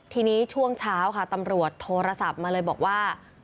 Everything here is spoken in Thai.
ทีนี้ช่วงเช้าค่ะตำรวจโทรศัพท์มาเลยบอกว่า